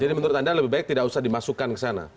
jadi menurut anda lebih baik tidak usah dimasukkan ke sana